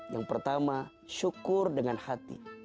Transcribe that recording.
yang pertama syukur dengan hati